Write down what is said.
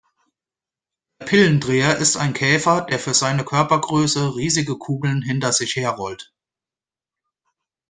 Der Pillendreher ist ein Käfer, der für seine Körpergröße riesige Kugeln hinter sich her rollt.